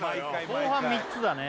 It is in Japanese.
後半３つだね